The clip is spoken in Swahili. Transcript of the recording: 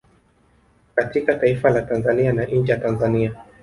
katika taifa la Tanzania na nje ya Tanzania